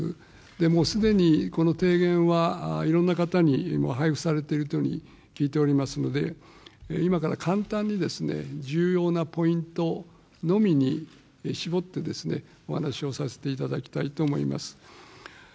もうすでにこの提言は、いろんな方にも配布されているというふうに聞いておりますので、今から簡単に、重要なポイントのみに絞って、お話をさせていただきたいと思います。